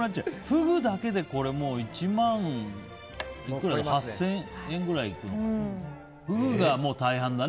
フグだけで１万８０００円くらいいくんだ。